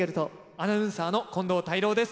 アナウンサーの近藤泰郎です。